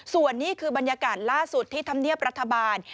ส่วนนี้คือบรรยากาศล่าสุดที่ธรรมเนียบรัฐบาล